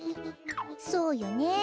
そうよね。